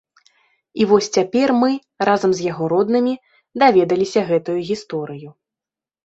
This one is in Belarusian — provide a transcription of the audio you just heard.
І вось цяпер мы, разам з яго роднымі, даведаліся гэтую гісторыю.